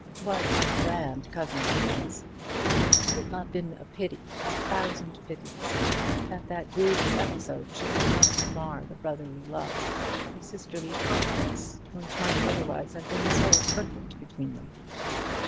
What a grand cousin he was! Had it not been a pity, a thousand pities, that that grievous episode should have come to mar the brotherly love, the sisterly confidence, which might otherwise have been so perfect between them?